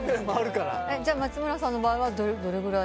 じゃあ松村さんの場合はどれぐらい？